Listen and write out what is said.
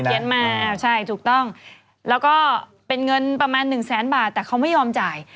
ข่าวเขียนมาใช่ถูกต้องแล้วก็เป็นเงินประมาณ๑๐๐๐๐๐บาทแต่เขาไม่ยอมจ่าย